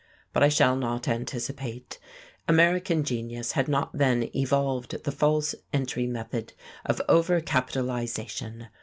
But I shall not anticipate. American genius had not then evolved the false entry method of overcapitalization.